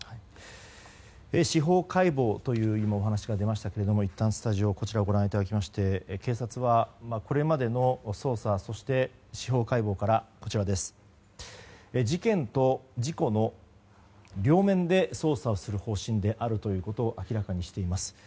司法解剖というお話が出ましたがいったんスタジオご覧いただいて警察はこれまでの捜査そして、司法解剖から事件と事故の両面で捜査する方針であるということを明らかにしています。